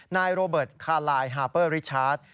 นายโรเบิร์ตคาไลน์ฮาเปอร์ริชาร์จ